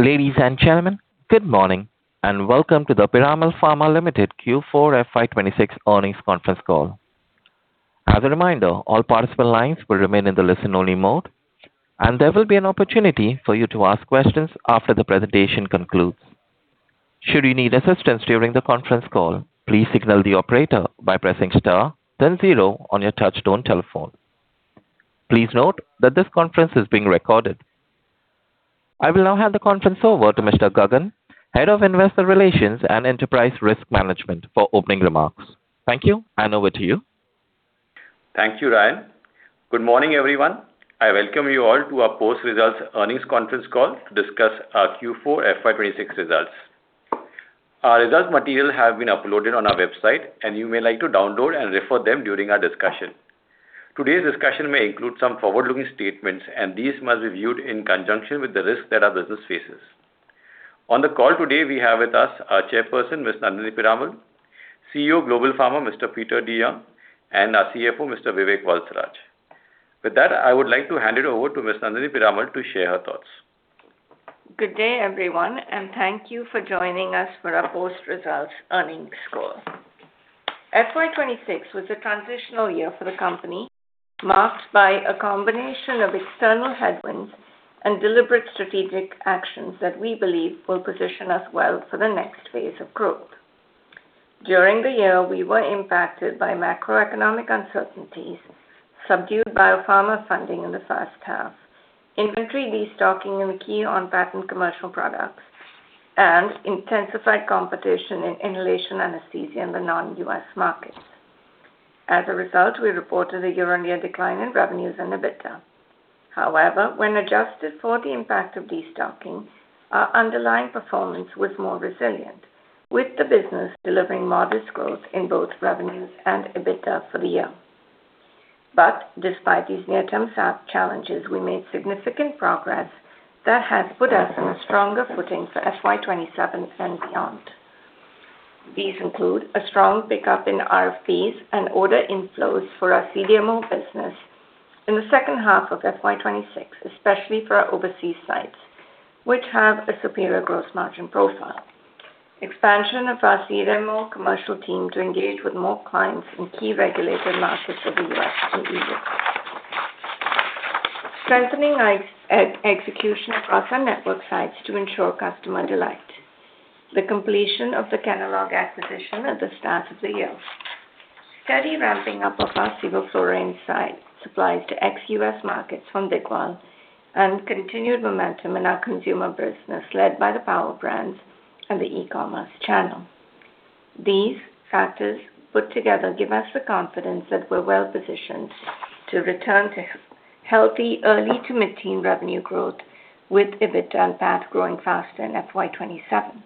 Ladies and gentlemen, good morning, and welcome to the Piramal Pharma Limited Q4 FY 2026 earnings conference call. As a reminder, all participant lines will remain in the listen-only mode, and there will be an opportunity for you to ask questions after the presentation concludes. Should you need assistance during the conference call, please signal the operator by pressing star then zero on your touchtone telephone. Please note that this conference is being recorded. I will now hand the conference over to Mr. Gagan, Head of Investor Relations and Enterprise Risk Management for opening remarks. Thank you, and over to you. Thank you, Ryan. Good morning, everyone. I welcome you all to our post-results earnings conference call to discuss our Q4 FY 2026 results. Our results material have been uploaded on our website. You may like to download and refer them during our discussion. Today's discussion may include some forward-looking statements. These must be viewed in conjunction with the risks that our business faces. On the call today, we have with us our Chairperson, Ms. Nandini Piramal, CEO Global Pharma, Mr. Peter DeYoung, and our CFO, Mr. Vivek Valsaraj. With that, I would like to hand it over to Ms. Nandini Piramal to share her thoughts. Good day, everyone. Thank you for joining us for our post-results earnings call. FY 2026 was a transitional year for the company, marked by a combination of external headwinds and deliberate strategic actions that we believe will position us well for the next phase of growth. During the year, we were impacted by macroeconomic uncertainties, subdued biopharma funding in the first half, inventory destocking in the key on patent commercial products, and intensified competition in inhalation anesthesia in the non-U.S. markets. As a result, we reported a year-on-year decline in revenues and EBITDA. However, when adjusted for the impact of destocking, our underlying performance was more resilient, with the business delivering modest growth in both revenues and EBITDA for the year. Despite these near-term challenges, we made significant progress that has put us in a stronger footing for FY 2027 and beyond. These include a strong pickup in RFPs and order inflows for our CDMO business in the second half of FY 2026, especially for our overseas sites, which have a superior gross margin profile. Expansion of our CDMO commercial team to engage with more clients in key regulated markets of the U.S. and Europe. Strengthening execution across our network sites to ensure customer delight. The completion of the Kenalog acquisition at the start of the year. Steady ramping up of our sevoflurane site supplies to ex-U.S. markets from Digwal and continued momentum in our consumer business led by the Power Brands and the e-commerce channel. These factors put together give us the confidence that we're well-positioned to return to healthy early to mid-teen revenue growth with EBITDA and PAT growing faster in FY 2027.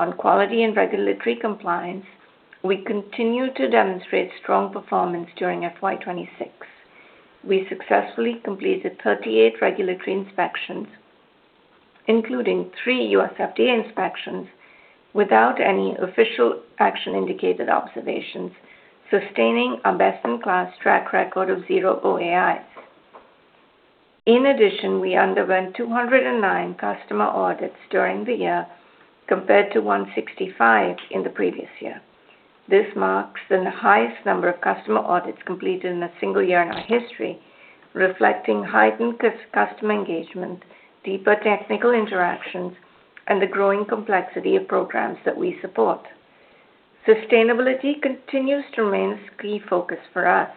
On quality and regulatory compliance, we continue to demonstrate strong performance during FY 2026. We successfully completed 38 regulatory inspections, including three U.S. FDA inspections without any Official Action Indicated observations, sustaining our best-in-class track record of zero OAIs.In addition, we underwent 209 customer audits during the year compared to 165 in the previous year. This marks the highest number of customer audits completed in a single year in our history, reflecting heightened customer engagement, deeper technical interactions, and the growing complexity of programs that we support. Sustainability continues to remain a key focus for us.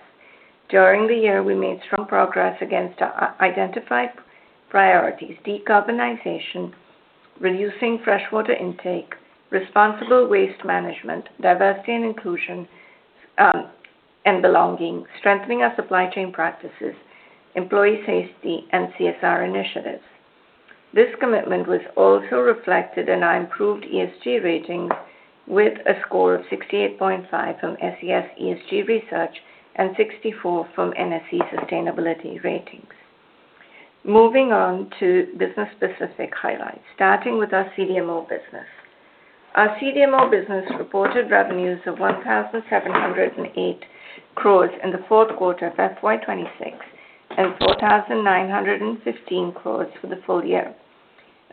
During the year, we made strong progress against our identified priorities: decarbonization, reducing freshwater intake, responsible waste management, diversity and inclusion, and belonging, strengthening our supply chain practices, employee safety, and CSR initiatives. This commitment was also reflected in our improved ESG ratings with a score of 68.5 from SES ESG Research and 64 from NSE Sustainability Ratings. Moving on to business-specific highlights, starting with our CDMO business. Our CDMO business reported revenues of 1,708 crores in fourth quarter of FY 2026 and 4,915 crores for the full year.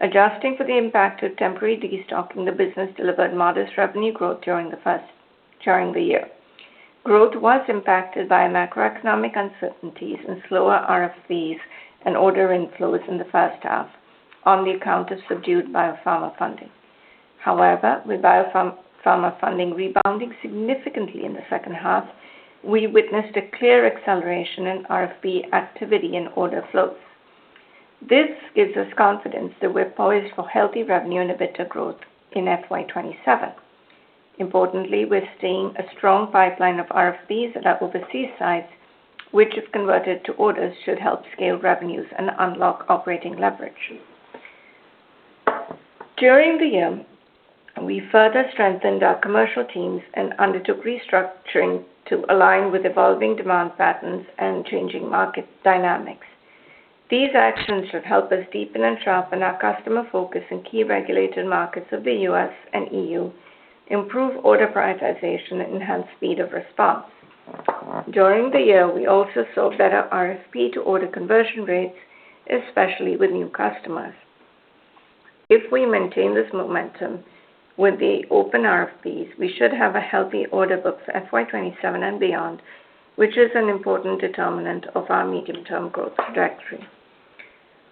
Adjusting for the impact of temporary destocking, the business delivered modest revenue growth during the year. Growth was impacted by macroeconomic uncertainties and slower RFPs and order inflows in the first half on the account of subdued biopharma funding. However, with biopharma funding rebounding significantly in the second half, we witnessed a clear acceleration in RFP activity and order flows. This gives us confidence that we're poised for healthy revenue and EBITDA growth in FY 2027. Importantly, we're seeing a strong pipeline of RFPs at our overseas sites, which if converted to orders, should help scale revenues and unlock operating leverage. During the year, we further strengthened our commercial teams and undertook restructuring to align with evolving demand patterns and changing market dynamics. These actions should help us deepen and sharpen our customer focus in key regulated markets of the U.S. and EU, improve order prioritization, and enhance speed of response. During the year, we also saw better RFP to order conversion rates, especially with new customers. If we maintain this momentum with the open RFPs, we should have a healthy order book for FY 2027 and beyond, which is an important determinant of our medium-term growth trajectory.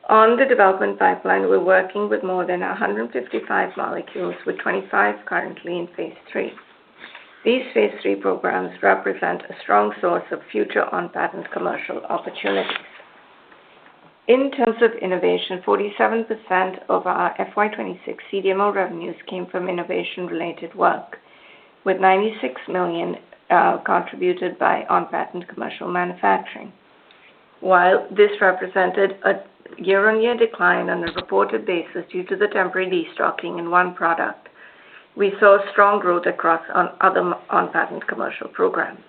On the development pipeline, we're working with more than 155 molecules, with 25 currently in phase III. These phase III programs represent a strong source of future on-patent commercial opportunities. In terms of innovation, 47% of our FY 2026 CDMO revenues came from innovation-related work, with 96 million contributed by on-patent commercial manufacturing. While this represented a year-on-year decline on a reported basis due to the temporary destocking in one product, we saw strong growth across other on-patent commercial programs.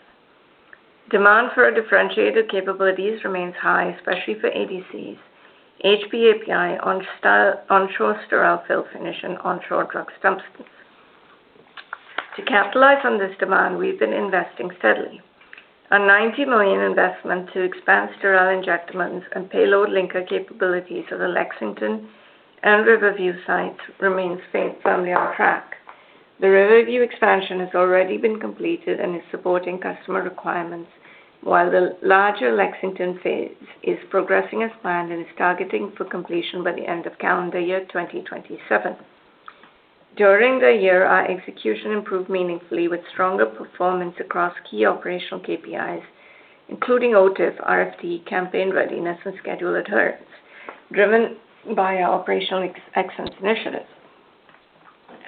Demand for our differentiated capabilities remains high, especially for ADCs, HPAPI, onshore sterile fill finish, and onshore drug substances. To capitalize on this demand, we've been investing steadily. An 90 million investment to expand sterile injectables and payload linker capabilities of the Lexington and Riverview sites remains firmly on track. The Riverview expansion has already been completed and is supporting customer requirements, while the larger Lexington phase is progressing as planned and is targeting for completion by the end of calendar year 2027. During the year, our execution improved meaningfully with stronger performance across key operational KPIs, including OTIF, RFT, campaign readiness, and schedule adherence, driven by our operational excellence initiatives.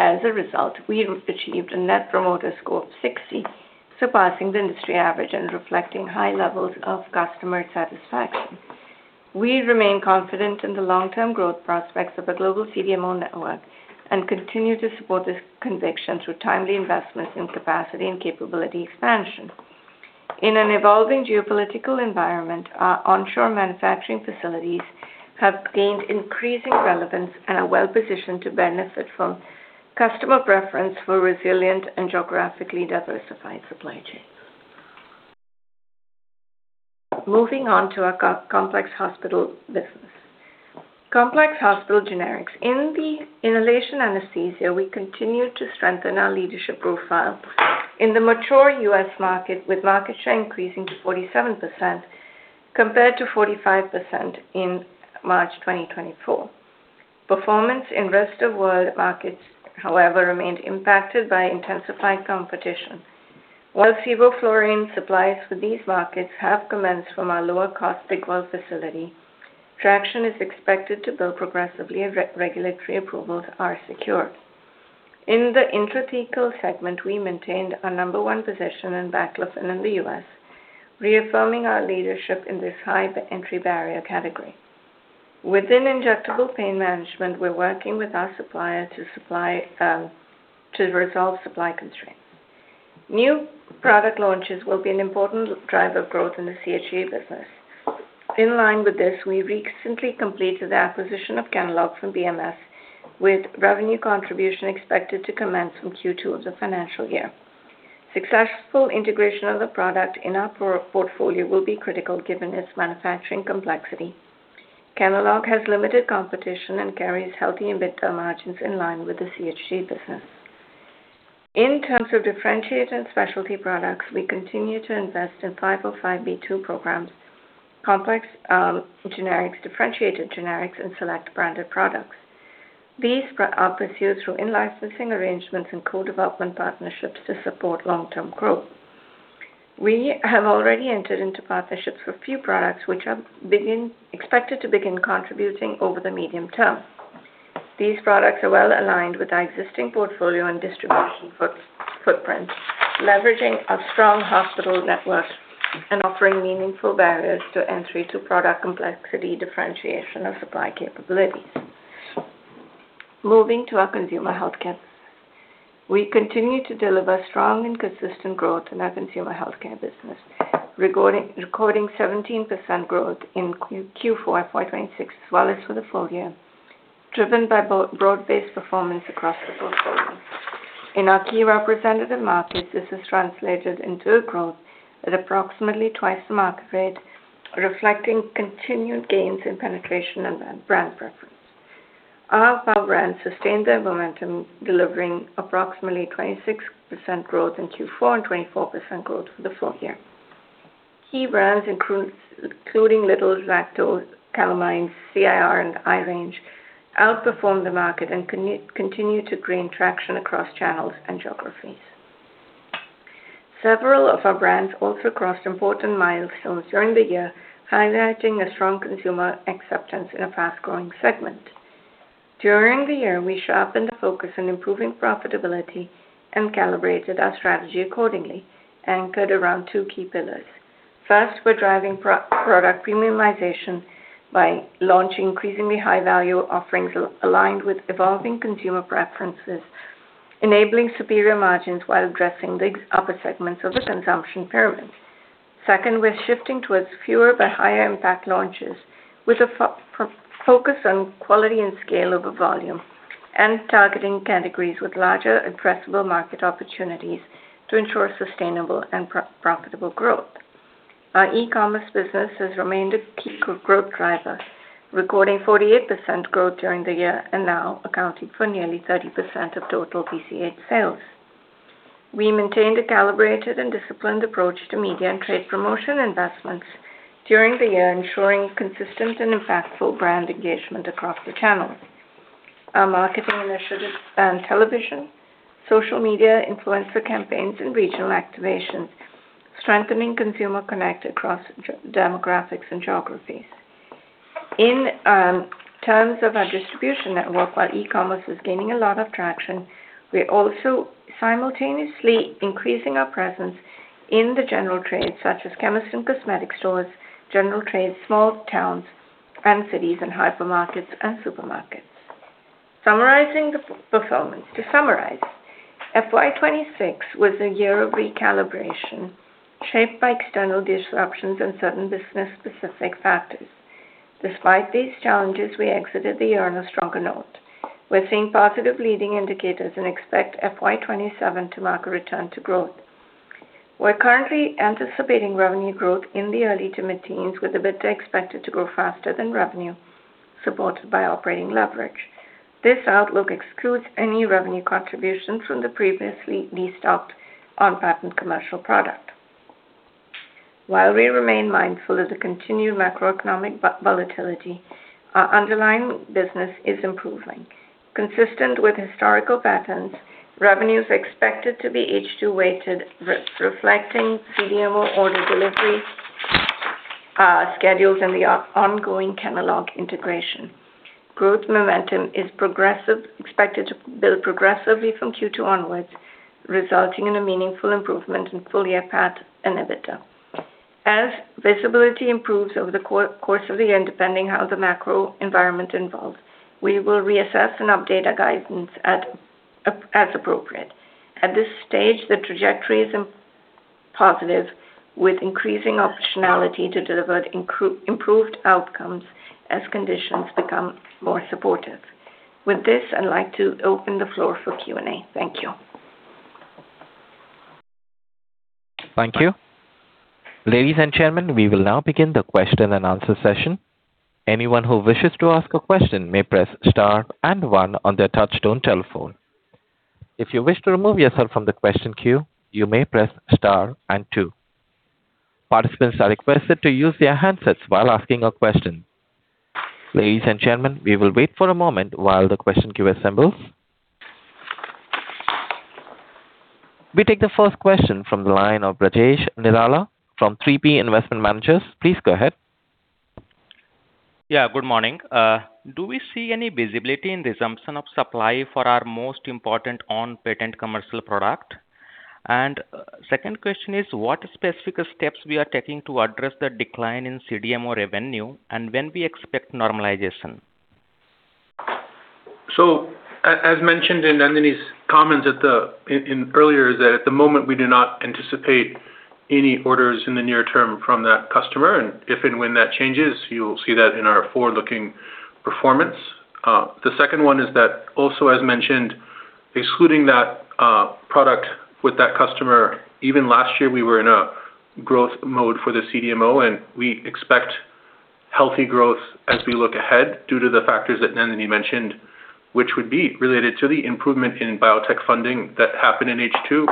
As a result, we achieved a net promoter score of 60, surpassing the industry average and reflecting high levels of customer satisfaction. We remain confident in the long-term growth prospects of the global CDMO network and continue to support this conviction through timely investments in capacity and capability expansion. In an evolving geopolitical environment, our onshore manufacturing facilities have gained increasing relevance and are well-positioned to benefit from customer preference for resilient and geographically diversified supply chains. Moving on to our Complex Hospital Generics. In the inhalation anesthesia, we continue to strengthen our leadership profile in the mature U.S. market, with market share increasing to 47% compared to 45% in March 2024. Performance in rest of world markets, however, remained impacted by intensified competition. While sevoflurane supplies for these markets have commenced from our lower-cost Digwal facility, traction is expected to build progressively as re-regulatory approvals are secured. In the intrathecal segment, we maintained our number one position in baclofen in the U.S., reaffirming our leadership in this high-entry barrier category. Within injectable pain management, we're working with our supplier to resolve supply constraints. New product launches will be an important driver of growth in the CHG business. In line with this, we recently completed the acquisition of Kenalog from BMS, with revenue contribution expected to commence from Q2 of the financial year. Successful integration of the product in our portfolio will be critical given its manufacturing complexity. Kenalog has limited competition and carries healthy EBITDA margins in line with the CHG business. In terms of differentiated specialty products, we continue to invest in 505(b)(2) programs, complex generics, differentiated generics, and select branded products. These are pursued through in-licensing arrangements and co-development partnerships to support long-term growth. We have already entered into partnerships for a few products which are expected to begin contributing over the medium term. These products are well-aligned with our existing portfolio and distribution footprint, leveraging our strong hospital network and offering meaningful barriers to entry to product complexity, differentiation, or supply capabilities. Moving to our Consumer Healthcare. We continue to deliver strong and consistent growth in our Consumer Healthcare business, recording 17% growth in Q4 FY 2026 as well as for the full year, driven by broad-based performance across the portfolio. In our key representative markets, this has translated into a growth at approximately twice the market rate, reflecting continued gains in penetration and brand preference. Our Power Brands sustained their momentum, delivering approximately 26% growth in Q4 and 24% growth for the full year. Key brands, including Little's, Lacto Calamine, CIR, and Range, outperformed the market and continue to gain traction across channels and geographies. Several of our brands also crossed important milestones during the year, highlighting a strong consumer acceptance in a fast-growing segment. During the year, we sharpened the focus on improving profitability and calibrated our strategy accordingly, anchored around two key pillars. We're driving product premiumization by launching increasingly high-value offerings aligned with evolving consumer preferences, enabling superior margins while addressing the upper segments of the consumption pyramid. Second, we're shifting towards fewer but higher impact launches, with a focus on quality and scale over volume. Targeting categories with larger addressable market opportunities to ensure sustainable and profitable growth. Our e-commerce business has remained a key growth driver, recording 48% growth during the year and now accounting for nearly 30% of total PCH sales. We maintained a calibrated and disciplined approach to media and trade promotion investments during the year, ensuring consistent and impactful brand engagement across the channels. Our marketing initiatives span television, social media, influencer campaigns, and regional activations, strengthening consumer connect across demographics and geographies. In terms of our distribution network, while e-commerce is gaining a lot of traction, we're also simultaneously increasing our presence in the general trade, such as chemist and cosmetic stores, general trade, small towns and cities, and hypermarkets and supermarkets. Summarizing the performance. To summarize, FY 2026 was a year of recalibration, shaped by external disruptions and certain business-specific factors. Despite these challenges, we exited the year on a stronger note. We're seeing positive leading indicators and expect FY 2027 to mark a return to growth. We're currently anticipating revenue growth in the early to mid-teens, with EBITDA expected to grow faster than revenue, supported by operating leverage. This outlook excludes any revenue contributions from the previously destocked on patent commercial product. While we remain mindful of the continued macroeconomic volatility, our underlying business is improving. Consistent with historical patterns, revenue is expected to be H2 weighted, reflecting CDMO order delivery schedules and the ongoing catalog integration. Growth momentum is expected to build progressively from Q2 onwards, resulting in a meaningful improvement in full-year PAT and EBITDA. As visibility improves over the course of the year, and depending how the macro environment evolves, we will reassess and update our guidance as appropriate. At this stage, the trajectory is positive, with increasing optionality to deliver improved outcomes as conditions become more supportive. With this, I'd like to open the floor for Q&A. Thank you. Thank you. Ladies and gentlemen, we will now begin the question-and-answer session. Anyone who wishes to ask a question may press star and one on their touchtone telephone. If you wish to remove yourself from the question queue, you may press star and two. Participants are requested to use their handsets while asking a question. Ladies and gentlemen, we will wait for a moment while the question queue assembles. We take the first question from the line of Brijesh Nirala from 3P Investment Managers. Please go ahead. Yeah, good morning. Do we see any visibility in resumption of supply for our most important on patent commercial product? Second question is what specific steps we are taking to address the decline in CDMO revenue and when we expect normalization? As mentioned in Nandini's comments in earlier is that at the moment, we do not anticipate any orders in the near term from that customer. If and when that changes, you'll see that in our forward-looking performance. The second one is that also as mentioned, excluding that product with that customer, even last year we were in a growth mode for the CDMO, and we expect healthy growth as we look ahead due to the factors that Nandini mentioned, which would be related to the improvement in biotech funding that happened in H2,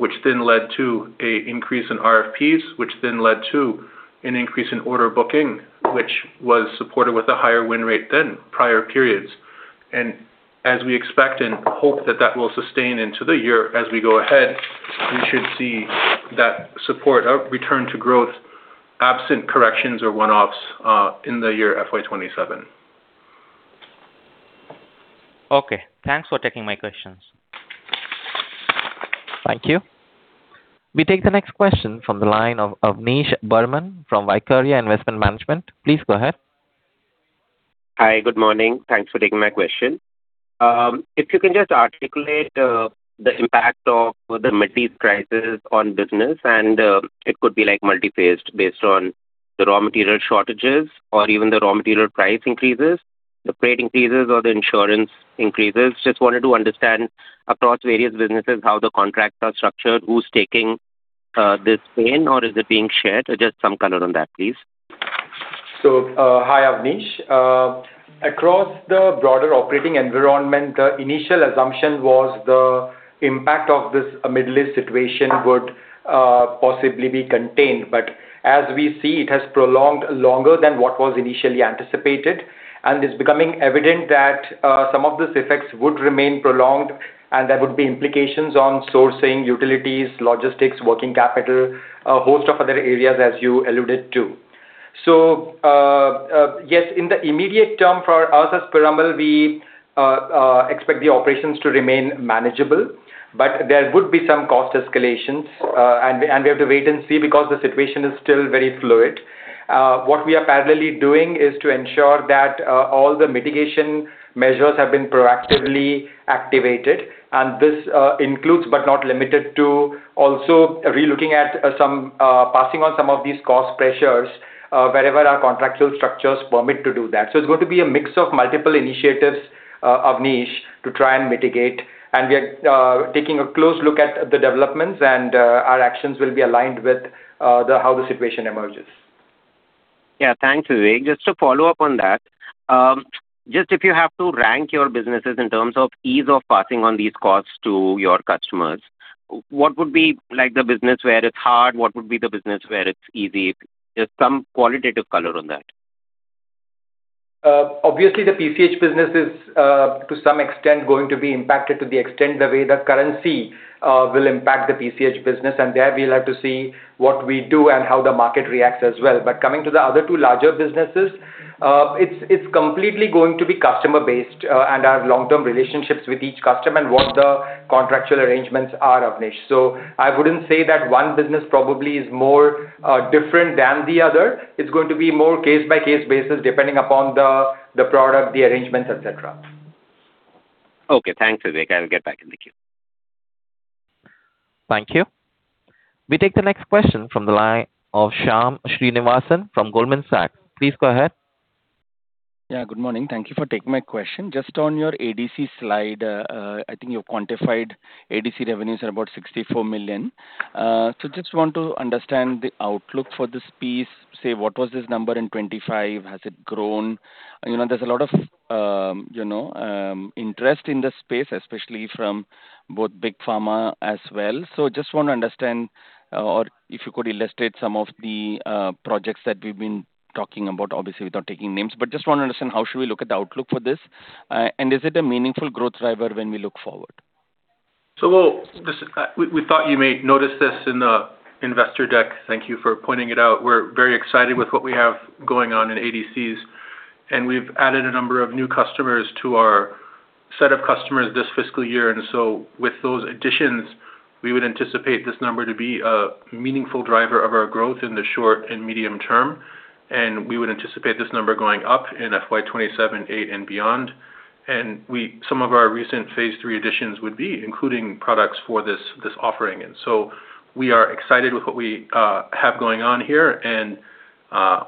which then led to a increase in RFPs, which then led to an increase in order booking, which was supported with a higher win rate than prior periods. As we expect and hope that that will sustain into the year as we go ahead, we should see that support return to growth absent corrections or one-offs in the year FY 2027. Okay. Thanks for taking my questions. Thank you. We take the next question from the line of Avnish Burman from Vaikarya Investment Management. Please go ahead. Hi, good morning. Thanks for taking my question. If you can just articulate the impact of the Middle East crisis on business, and it could be like multi-phased based on the raw material shortages or even the raw material price increases, the freight increases or the insurance increases. Just wanted to understand across various businesses how the contracts are structured, who's taking this pain or is it being shared? Just some color on that, please. Hi, Avnish. Across the broader operating environment, the initial assumption was the impact of this Middle East situation would possibly be contained. As we see, it has prolonged longer than what was initially anticipated, and it's becoming evident that some of these effects would remain prolonged and there would be implications on sourcing, utilities, logistics, working capital, a host of other areas as you alluded to. Yes, in the immediate term for us as Piramal, we expect the operations to remain manageable, but there would be some cost escalations. And we have to wait and see because the situation is still very fluid. What we are parallelly doing is to ensure that all the mitigation measures have been proactively activated. This includes, but not limited to, also relooking at some passing on some of these cost pressures wherever our contractual structures permit to do that. It's going to be a mix of multiple initiatives, Avnish, to try and mitigate. We are taking a close look at the developments, and our actions will be aligned with how the situation emerges. Yeah. Thanks, Vivek. Just to follow up on that, if you have to rank your businesses in terms of ease of passing on these costs to your customers, what would be like the business where it's hard? What would be the business where it's easy? Just some qualitative color on that. Obviously the PCH business is to some extent going to be impacted to the extent the way the currency will impact the PCH business. There we'll have to see what we do and how the market reacts as well. Coming to the other two larger businesses, it's completely going to be customer-based and our long-term relationships with each customer and what the contractual arrangements are, Avnish. I wouldn't say that one business probably is more different than the other. It's going to be more case-by-case basis, depending upon the product, the arrangements, et cetera. Okay. Thanks, Vivek. I'll get back in the queue. Thank you. We take the next question from the line of Shyam Srinivasan from Goldman Sachs. Please go ahead. Good morning. Thank you for taking my question. Just on your ADC slide, I think you quantified ADC revenues are about 64 million. Just want to understand the outlook for this piece. Say, what was this number in 2025? Has it grown? You know, there's a lot of, you know, interest in the space, especially from both Big Pharma as well. Just want to understand or if you could illustrate some of the projects that we've been talking about, obviously without taking names. Just want to understand how should we look at the outlook for this, and is it a meaningful growth driver when we look forward? This, we thought you may notice this in the investor deck. Thank you for pointing it out. We're very excited with what we have going on in ADCs, and we've added a number of new customers to our set of customers this fiscal year. With those additions, we would anticipate this number to be a meaningful driver of our growth in the short and medium term, and we would anticipate this number going up in FY 2027, 2028 and beyond. Some of our recent phase III additions would be including products for this offering. We are excited with what we have going on here, and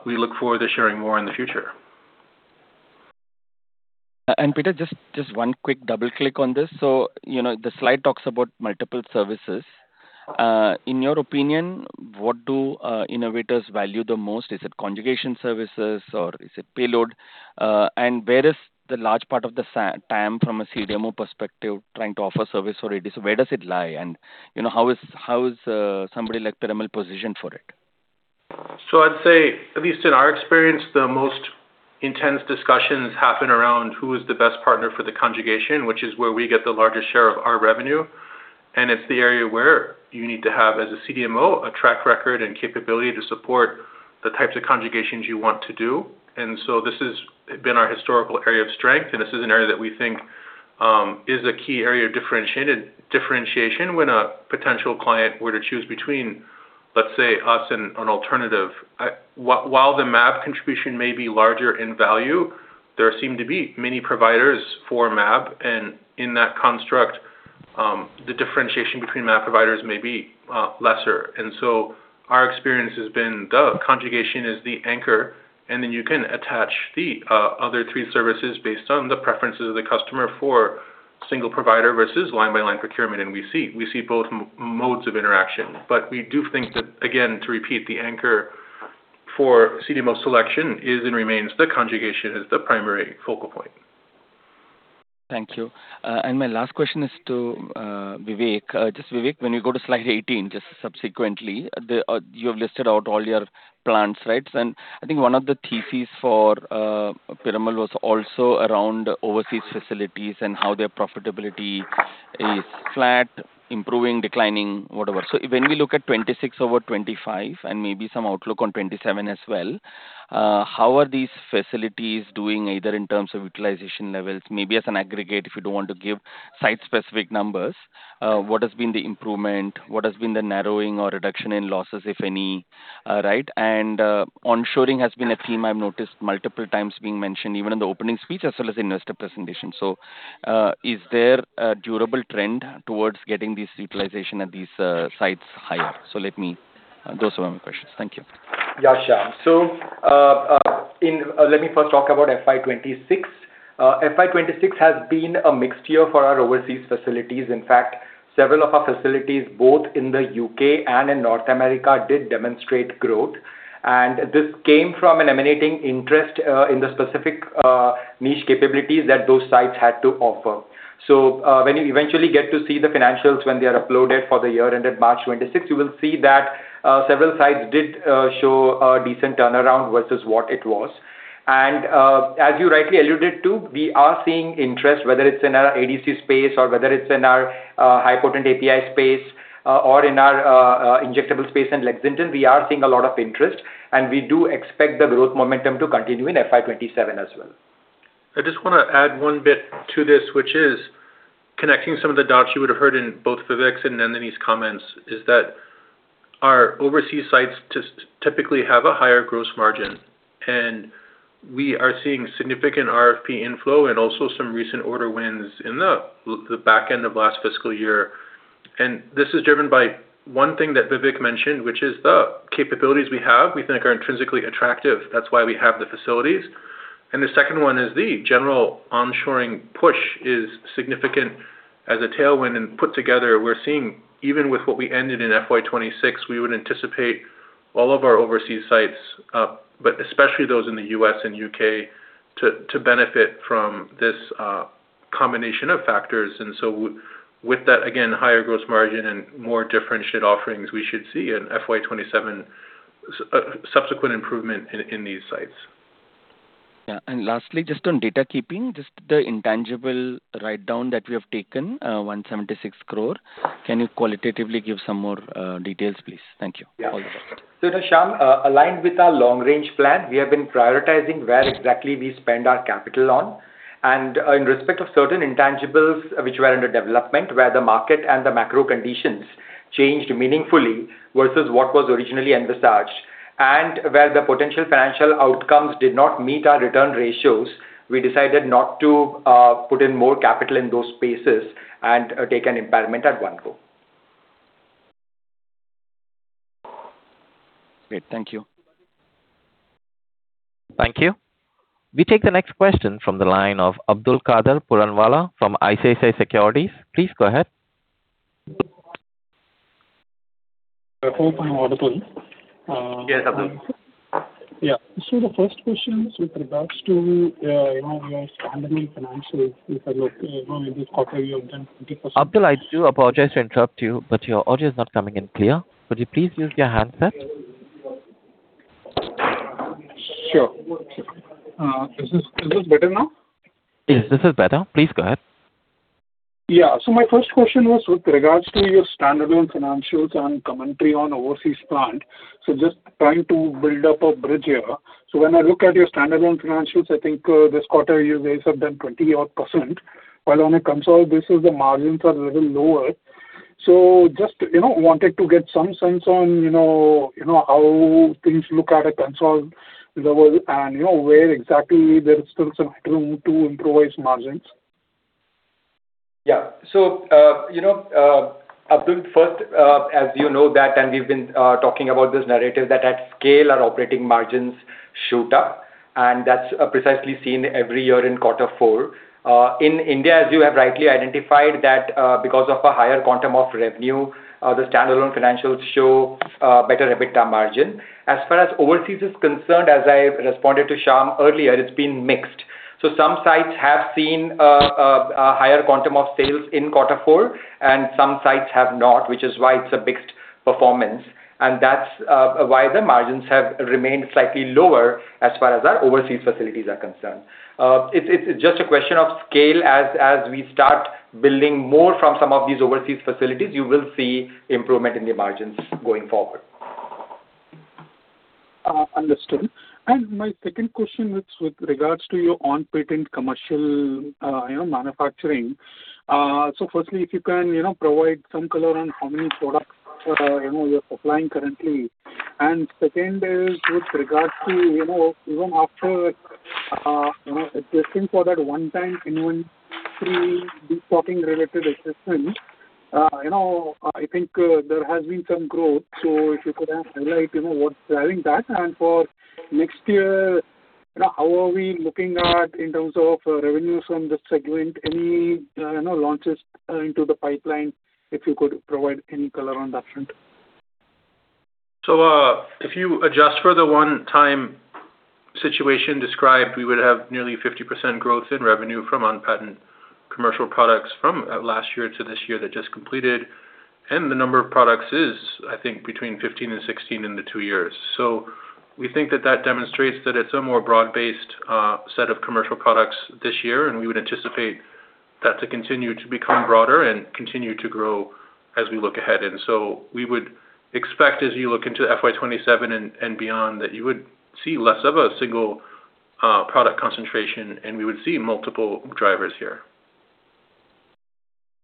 we look forward to sharing more in the future. Peter, just one quick double click on this. You know, the slide talks about multiple services. In your opinion, what do innovators value the most? Is it conjugation services or is it payload? Where is the large part of the from a CDMO perspective, trying to offer service? Where does it lie? You know, how is somebody like Piramal positioned for it? I'd say, at least in our experience, the most intense discussions happen around who is the best partner for the conjugation, which is where we get the largest share of our revenue. It's the area where you need to have, as a CDMO, a track record and capability to support the types of conjugations you want to do. This has been our historical area of strength, and this is an area that we think is a key area of differentiation when a potential client were to choose between, let's say, us and an alternative. While the mAb contribution may be larger in value, there seem to be many providers for mAb, and in that construct, the differentiation between mAb providers may be lesser. Our experience has been the conjugation is the anchor, and then you can attach the other three services based on the preferences of the customer for single provider versus line-by-line procurement. We see both modes of interaction. We do think that, again, to repeat, the anchor for CDMO selection is and remains the conjugation as the primary focal point. Thank you. My last question is to Vivek. Just Vivek, when you go to slide 18, just subsequently, you have listed out all your plans, right? I think one of the theses for Piramal was also around overseas facilities and how their profitability is flat, improving, declining, whatever. When we look at 2026 over 2025 and maybe some outlook on 2027 as well, how are these facilities doing either in terms of utilization levels, maybe as an aggregate, if you don't want to give site-specific numbers, what has been the improvement? What has been the narrowing or reduction in losses, if any, right? Onshoring has been a theme I've noticed multiple times being mentioned, even in the opening speech as well as investor presentation. Is there a durable trend towards getting this utilization at these sites higher? Those were my questions. Thank you. Yeah, sure. let me first talk about FY 2026. FY 2026 has been a mixed year for our overseas facilities. In fact, several of our facilities, both in the U.K. and in North America, did demonstrate growth. This came from an emanating interest in the specific niche capabilities that those sites had to offer. When you eventually get to see the financials when they are uploaded for the year ended March 26th, you will see that several sites did show a decent turnaround versus what it was. As you rightly alluded to, we are seeing interest, whether it's in our ADC space or whether it's in our HPAPI space or in our injectable space in Lexington. We are seeing a lot of interest, and we do expect the growth momentum to continue in FY 2027 as well. I just want to add one bit to this, which is connecting some of the dots you would have heard in both Vivek's and Nandini's comments is that our overseas sites just typically have a higher gross margin, and we are seeing significant RFP inflow and also some recent order wins in the back end of last fiscal year. This is driven by one thing that Vivek mentioned, which is the capabilities we have we think are intrinsically attractive. That's why we have the facilities. The second one is the general onshoring push is significant as a tailwind. Put together, we're seeing even with what we ended in FY 2026, we would anticipate all of our overseas sites, but especially those in the U.S. and U.K. to benefit from this combination of factors. With that, again, higher gross margin and more differentiated offerings we should see in FY 2027, subsequent improvement in these sites. Yeah. Lastly, just on data keeping, just the intangible write-down that we have taken, 176 crore. Can you qualitatively give some more details, please? Thank you. Yeah. All the best. To Shyam, aligned with our long-range plan, we have been prioritizing where exactly we spend our capital on. In respect of certain intangibles which were under development, where the market and the macro conditions changed meaningfully versus what was originally envisaged and where the potential financial outcomes did not meet our return ratios, we decided not to put in more capital in those spaces and take an impairment at one go. Great. Thank you. Thank you. We take the next question from the line of Abdulkader Puranwala from ICICI Securities. Please go ahead. Hope I'm audible. Yes, Abdul. Yeah. The first question is with regards to, you know, your standalone financials. If I look, you know, in this quarter you have done 50%- Abdul, I do apologize to interrupt you, but your audio is not coming in clear. Could you please use your handset? Sure. Is this better now? Yes, this is better. Please go ahead. Yeah. My first question was with regards to your standalone financials and commentary on overseas plant. Just trying to build up a bridge here. When I look at your standalone financials, I think, this quarter you guys have done 20% odd, while on a consolidated basis the margins are a little lower. Just, you know, wanted to get some sense on, you know, how things look at a consolidated level and, you know, where exactly there is still some room to improve its margins. Yeah. You know, Abdul, first, as you know that we've been talking about this narrative that at scale our operating margins shoot up. That's precisely seen every year in quarter four. In India, as you have rightly identified that, because of a higher quantum of revenue, the standalone financials show better EBITDA margin. As far as overseas is concerned, as I responded to Shyam earlier, it's been mixed. Some sites have seen a higher quantum of sales in quarter four and some sites have not. It's a mixed performance. The margins have remained slightly lower as far as our overseas facilities are concerned. It's just a question of scale. As we start building more from some of these overseas facilities, you will see improvement in the margins going forward. Understood. My second question is with regards to your on-patent commercial, you know, manufacturing. Firstly, if you can, you know, provide some color on how many products, you know, you're supplying currently. Second is with regards to, you know, even after, you know, adjusting for that one-time inventory depocking related adjustments, you know, I think, there has been some growth. If you could, highlight, you know, what's driving that? For next year, you know, how are we looking at in terms of, revenues from this segment? Any, you know, launches, into the pipeline, if you could provide any color on that front? If you adjust for the one-time situation described, we would have nearly 50% growth in revenue from on-patent commercial products from last year to this year that just completed, and the number of products is, I think, between 15 and 16 in the two years. We think that that demonstrates that it's a more broad-based set of commercial products this year, and we would anticipate that to continue to become broader and continue to grow as we look ahead. We would expect as you look into FY 2027 and beyond, that you would see less of a single product concentration, and we would see multiple drivers here.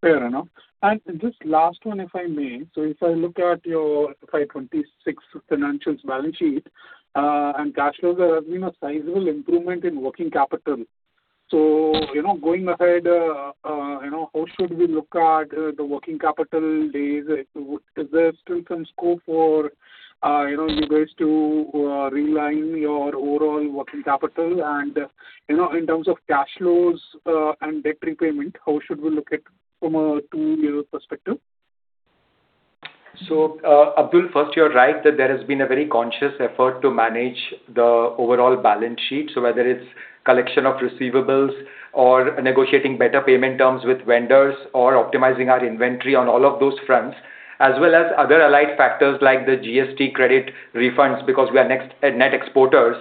Fair enough. Just last one, if I may. If I look at your FY 2026 financials balance sheet and cash flows, there has been a sizable improvement in working capital. You know, going ahead, you know, how should we look at the working capital days? Is there still some scope for, you know, you guys to realign your overall working capital? You know, in terms of cash flows and debt repayment, how should we look at from a two-year perspective? Abdul, first, you're right that there has been a very conscious effort to manage the overall balance sheet. Whether it's collection of receivables or negotiating better payment terms with vendors or optimizing our inventory on all of those fronts, as well as other allied factors like the GST credit refunds because we are next, net exporters,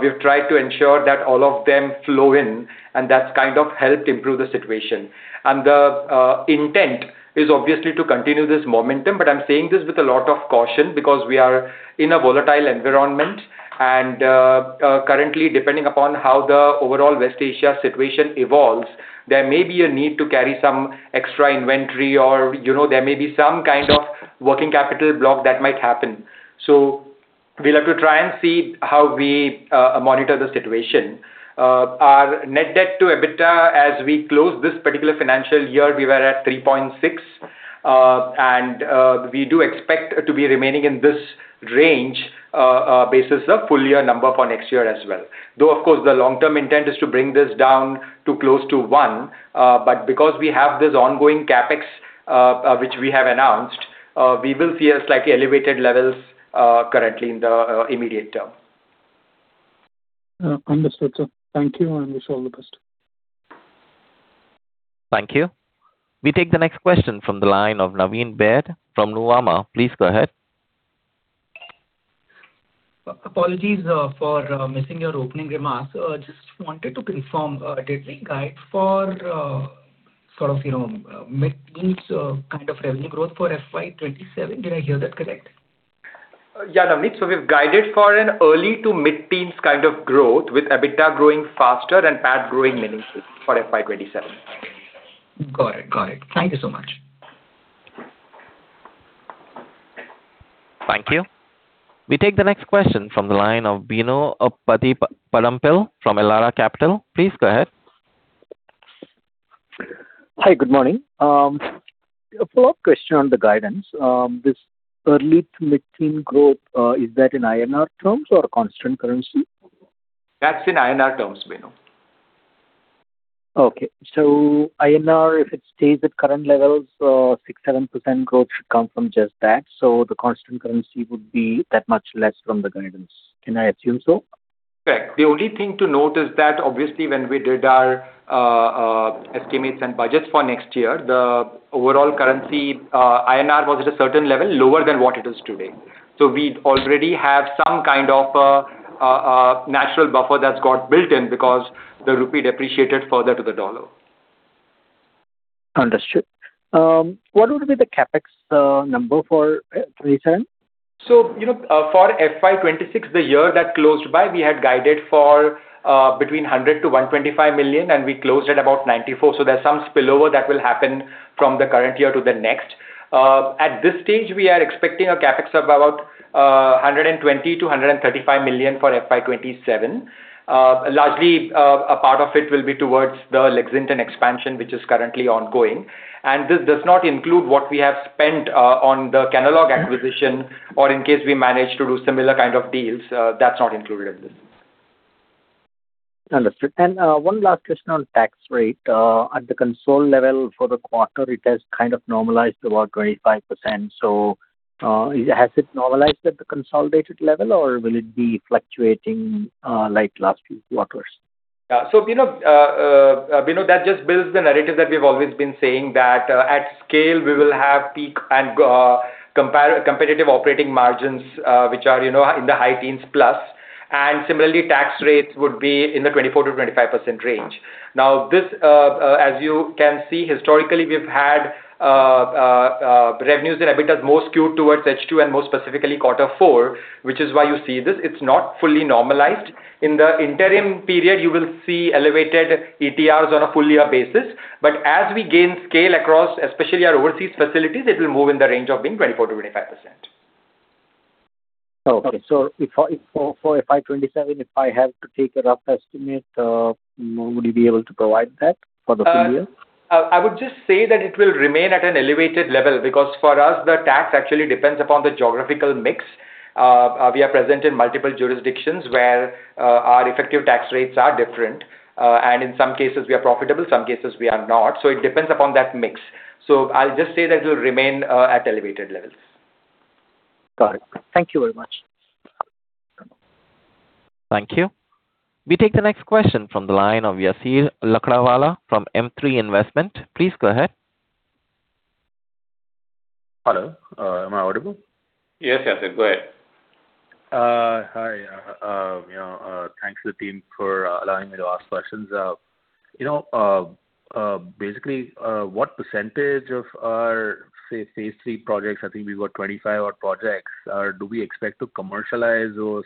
we've tried to ensure that all of them flow in. That's kind of helped improve the situation. The intent is obviously to continue this momentum, but I'm saying this with a lot of caution because we are in a volatile environment and, currently, depending upon how the overall West Asia situation evolves, there may be a need to carry some extra inventory or, you know, there may be some kind of working capital block that might happen. We'll have to try and see how we monitor the situation. Our net debt to EBITDA as we close this particular financial year, we were at 3.6. We do expect to be remaining in this range, basis of full year number for next year as well. Though, of course, the long-term intent is to bring this down to close to one. Because we have this ongoing CapEx, which we have announced, we will see a slightly elevated levels, currently in the immediate term. Understood, sir. Thank you, and wish you all the best. Thank you. We take the next question from the line of Naveen Baid from Nuvama. Please go ahead. Apologies for missing your opening remarks. Just wanted to confirm, did we guide for sort of, you know, mid-teens kind of revenue growth for FY 2027? Did I hear that correct? Yeah, Naveen. We've guided for an early to mid-teens kind of growth with EBITDA growing faster and PAT growing meaningfully for FY 2027. Got it. Thank you so much. Thank you. We take the next question from the line of Bino Pathiparampil from Elara Capital. Please go ahead. Hi. Good morning. A follow-up question on the guidance. This early to mid-teen growth, is that in INR terms or constant currency? That's in INR terms, Bino. Okay. INR, if it stays at current levels, 6%-7% growth should come from just that. The constant currency would be that much less from the guidance. Can I assume so? Correct. The only thing to note is that obviously when we did our estimates and budgets for next year, the overall currency, INR was at a certain level lower than what it is today. We already have some kind of a natural buffer that's got built in because the rupee depreciated further to the dollar. Understood. What would be the CapEx number for FY 2027? You know, for FY 2026, the year that closed by, we had guided for, between 100 million-125 million, and we closed at about 94 million. There's some spillover that will happen from the current year to the next. At this stage, we are expecting a CapEx of about 120 million-135 million for FY 2027. Largely, a part of it will be towards the Lexington expansion, which is currently ongoing, and this does not include what we have spent on the Kenalog acquisition or in case we manage to do similar kind of deals, that's not included in this. Understood. One last question on tax rate. At the consolidated level for the quarter, it has kind of normalized to about 25%. Has it normalized at the consolidated level, or will it be fluctuating like last few quarters? Bino, that just builds the narrative that we've always been saying that at scale, we will have peak and competitive operating margins, which are, you know, in the high teens plus, and similarly, tax rates would be in the 24%-25% range. This, as you can see historically, we've had revenues and EBITDA more skewed towards H2 and more specifically quarter four, which is why you see this. It's not fully normalized. In the interim period, you will see elevated ETRs on a full year basis. As we gain scale across especially our overseas facilities, it will move in the range of being 24%-25%. Okay. For FY 2027, if I have to take a rough estimate, would you be able to provide that for the full year? I would just say that it will remain at an elevated level because for us the tax actually depends upon the geographical mix. We are present in multiple jurisdictions where our effective tax rates are different, and in some cases we are profitable, some cases we are not. It depends upon that mix. I'll just say that it will remain at elevated levels. Got it. Thank you very much. Thank you. We take the next question from the line of Yasser Lakdawala from M3 Investment. Please go ahead. Hello. Am I audible? Yes, Yasser. Go ahead. Hi. You know, thanks to the team for allowing me to ask questions. You know, basically, what percentage of our, say, phase III projects, I think we've got 25 odd projects, do we expect to commercialize over,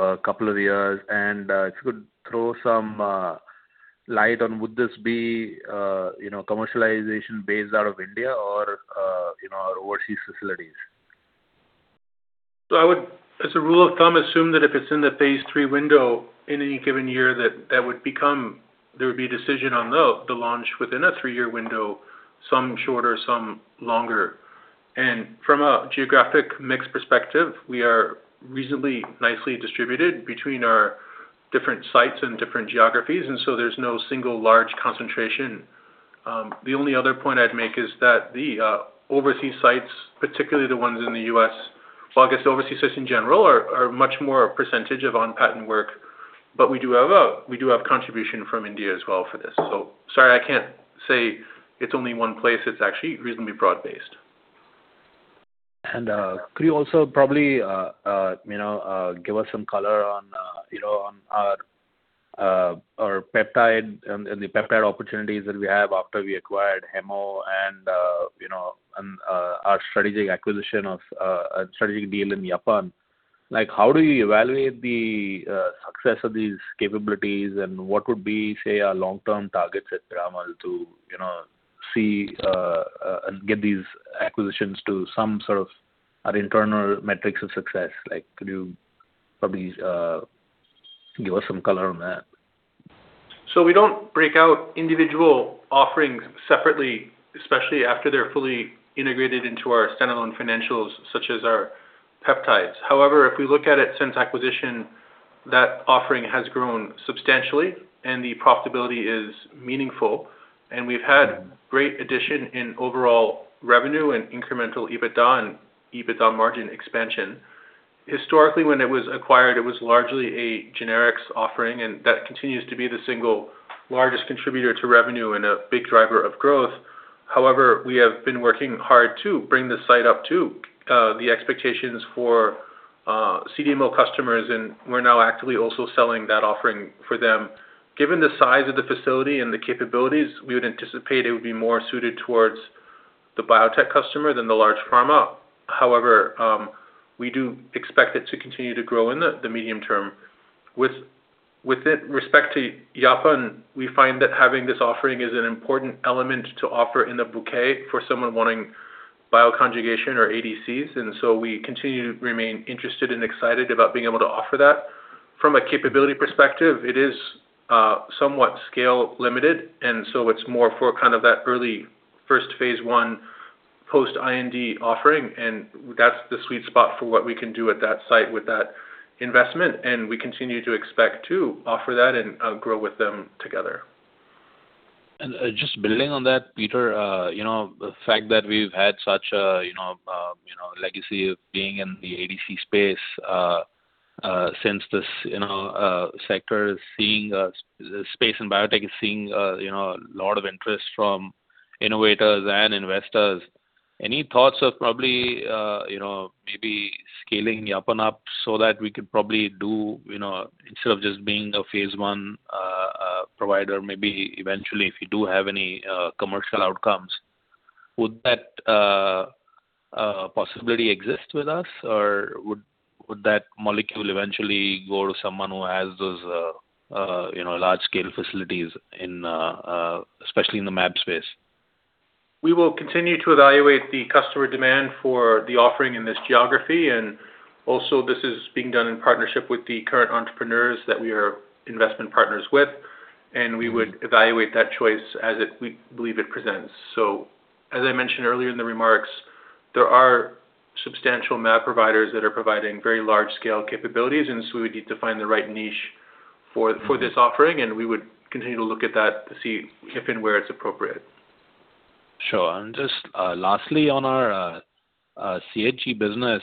say, the next couple of years? If you could throw some light on would this be, you know, commercialization based out of India or, you know, our overseas facilities? I would, as a rule of thumb, assume that if it's in the phase III window in any given year there would be a decision on the launch within a three-year window, some shorter, some longer. From a geographic mix perspective, we are reasonably nicely distributed between our different sites and different geographies, there's no single large concentration. The only other point I'd make is that the overseas sites, particularly the ones in the U.S., well I guess overseas sites in general are much more a percentage of on-patent work, but we do have contribution from India as well for this. Sorry, I can't say it's only one place. It's actually reasonably broad-based. Could you also probably give us some color on our peptide and the peptide opportunities that we have after we acquired Hemmo and our strategic acquisition of a strategic deal in Japan? How do you evaluate the success of these capabilities and what would be, say, our long term targets at Piramal to see and get these acquisitions to some sort of our internal metrics of success? Could you probably give us some color on that? We don't break out individual offerings separately, especially after they're fully integrated into our standalone financials such as our peptides. However, if we look at it since acquisition, that offering has grown substantially and the profitability is meaningful, and we've had great addition in overall revenue and incremental EBITDA and EBITDA margin expansion. Historically, when it was acquired, it was largely a generics offering, and that continues to be the single largest contributor to revenue and a big driver of growth. However, we have been working hard to bring the site up to the expectations for CDMO customers, and we're now actively also selling that offering for them. Given the size of the facility and the capabilities, we would anticipate it would be more suited towards the biotech customer than the large pharma. However, we do expect it to continue to grow in the medium term. With respect to Yapan, we find that having this offering is an important element to offer in the bouquet for someone wanting bioconjugation or ADCs, and so we continue to remain interested and excited about being able to offer that. From a capability perspective, it is somewhat scale limited, and so it's more for kind of that early first phase I post IND offering, and that's the sweet spot for what we can do at that site with that investment, and we continue to expect to offer that and grow with them together. Just building on that, Peter, you know, the fact that we've had such a, you know, legacy of being in the ADC space, since this, you know, sector is seeing a space in biotech is seeing a, you know, a lot of interest from innovators and investors. Any thoughts of probably, you know, maybe scaling Yapan up so that we could probably do, you know, instead of just being a phase I provider, maybe eventually if you do have any commercial outcomes, would that possibility exist with us or would that molecule eventually go to someone who has those, you know, large scale facilities in, especially in the mAb space? We will continue to evaluate the customer demand for the offering in this geography. Also this is being done in partnership with the current entrepreneurs that we are investment partners with, and we would evaluate that choice as it, we believe it presents. As I mentioned earlier in the remarks, there are substantial mAb providers that are providing very large scale capabilities. We would need to find the right niche for this offering, and we would continue to look at that to see if and where it's appropriate. Sure. Just lastly on our CHG business,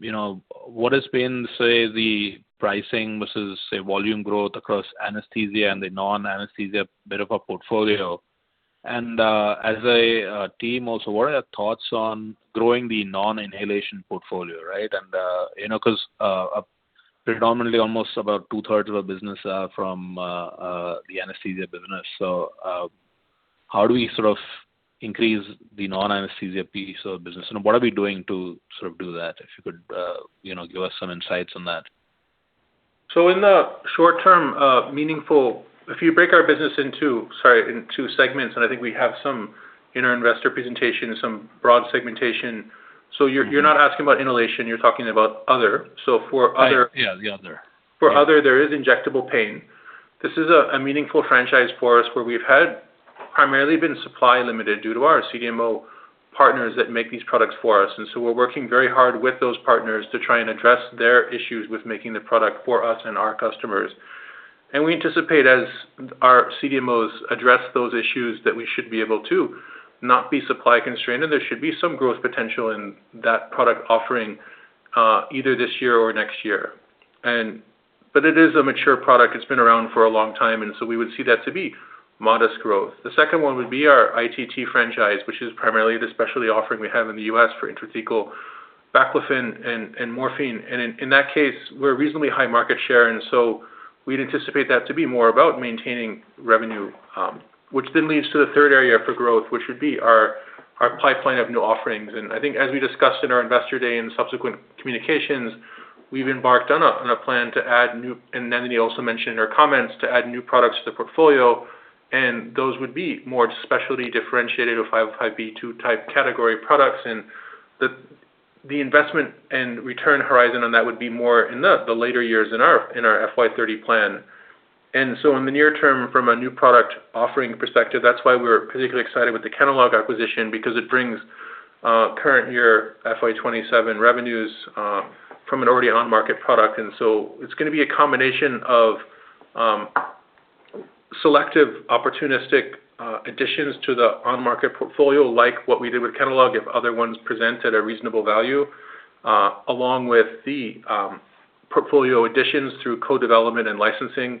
you know, what has been, say, the pricing versus, say, volume growth across anesthesia and the non-anesthesia bit of our portfolio? As a team also, what are your thoughts on growing the non-inhalation portfolio, right? You know, 'cause predominantly almost about two-thirds of our business are from the anesthesia business. How do we sort of increase the non-anesthesia piece of business, and what are we doing to sort of do that? If you could, you know, give us some insights on that. In the short term, if you break our business into two segments, and I think we have some in our investor presentation and some broad segmentation. You're not asking about inhalation, you're talking about other. Yeah, the other.... for other, there is injectable pain. This is a meaningful franchise for us where we've had primarily been supply limited due to our CDMO partners that make these products for us. So we're working very hard with those partners to try and address their issues with making the product for us and our customers. We anticipate as our CDMOs address those issues that we should be able to not be supply constrained, and there should be some growth potential in that product offering, either this year or next year. It is a mature product. It's been around for a long time, and so we would see that to be modest growth. The second one would be our ITB franchise, which is primarily the specialty offering we have in the U.S. for intrathecal baclofen and morphine. In that case, we're reasonably high market share. We'd anticipate that to be more about maintaining revenue, which then leads to the third area for growth, which would be our pipeline of new offerings. I think as we discussed in our investor day and subsequent communications, we've embarked on a plan. Nandini also mentioned in her comments, to add new products to the portfolio. Those would be more specialty differentiated or 505(b)(2) type category products. The investment and return horizon on that would be more in the later years in our FY 2030 plan. In the near term, from a new product offering perspective, that's why we're particularly excited with the Kenalog acquisition because it brings current year FY 2027 revenues from an already on-market product. It's going to be a combination of selective, opportunistic additions to the on-market portfolio, like what we did with Kenalog, if other ones present at a reasonable value, along with the portfolio additions through co-development and licensing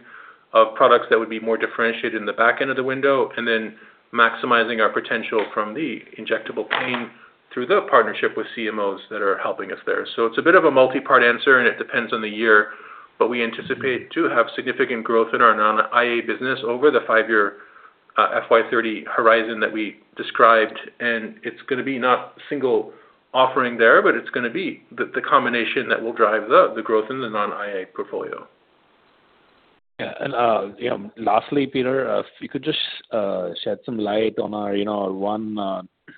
of products that would be more differentiated in the back end of the window, then maximizing our potential from the injectable pain through the partnership with CMOs that are helping us there. It's a bit of a multi-part answer, and it depends on the year, but we anticipate to have significant growth in our non-IA business over the five-year FY 2030 horizon that we described, and it's gonna be not single offering there, but it's gonna be the combination that will drive the growth in the non-IA portfolio. Yeah. You know, lastly, Peter, if you could just shed some light on our, you know, one,